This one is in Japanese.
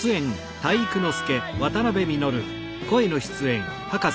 体育ノ介」